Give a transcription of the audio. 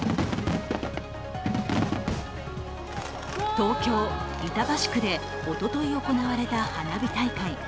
東京・板橋区でおととい行われた花火大会。